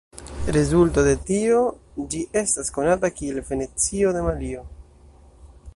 Rezulto de tio, ĝi estas konata kiel "Venecio de Malio".